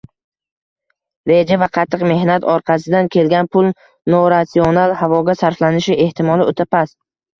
Reja va qattiq mehnat orqasidan kelgan pul noratsional havoga sarflanishi ehtimoli o‘ta past.